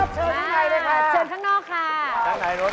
เชิญข้างในเลยค่ะ